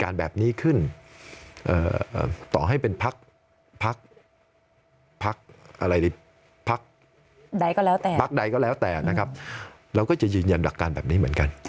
เราก็จะยืนยันหลักการแบบนี้เหมือนกัน